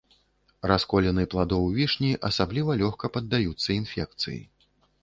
Расколіны пладоў вішні асабліва лёгка паддаюцца інфекцыі.